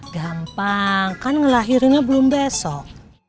gampang kan ngelahirinnya belum besok